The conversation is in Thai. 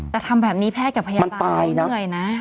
แต่ทำแบบนี้แพทย์กับพยาบาลมันเมื่อยนะผมว่ามันตายนะ